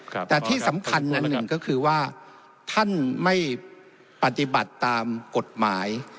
แต่ที่สำคัญอันหนึ่งก็คือว่าท่านไม่ปฏิบัติตามกฎหมาย